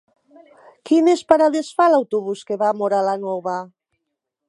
Quines parades fa l'autobús que va a Móra la Nova?